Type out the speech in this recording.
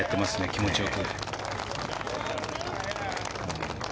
気持ちよく。